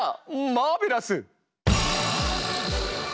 マーベラス！